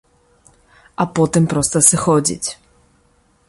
А потым проста сыходзіць.